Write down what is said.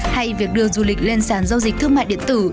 hay việc đưa du lịch lên sàn giao dịch thương mại điện tử